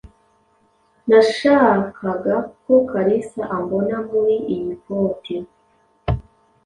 Nashakaga ko Kalisa ambona muri iyi koti.